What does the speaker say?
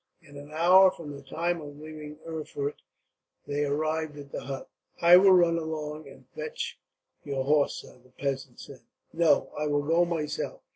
In an hour from the time of leaving Erfurt, they arrived at the hut. "I will run along and fetch your horse, sir," the peasant said. "No, I will go myself.